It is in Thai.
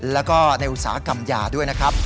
แล้วก็ในอุตสาหกรรมยาด้วยนะครับ